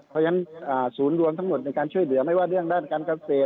เพราะฉะนั้นศูนย์รวมทั้งหมดในการช่วยเหลือไม่ว่าเรื่องด้านการเกษตร